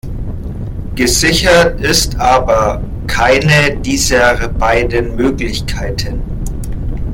Gesichert ist aber keine dieser beiden Möglichkeiten.